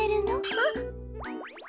あっ。